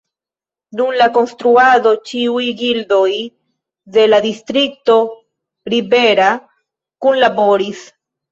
Dum la konstruado ĉiuj gildoj de la distrikto Ribera kunlaboris.